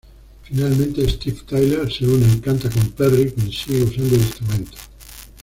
Finalmente, Steven Tyler se une, y canta con Perry quien sigue usando el instrumento.